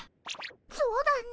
そうだね。